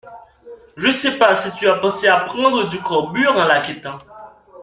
Je sais pas si tu as pensé à prendre du carbure en la quittant